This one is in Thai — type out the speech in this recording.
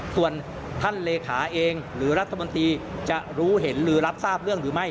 ส่วนท่านเลขาเองหรือรัฐมนตรีจะรู้เห็นหรือรับทราบเรื่องหรือไม่